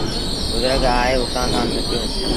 بزرگ آئي اُتآن کآݩ مٽيو۔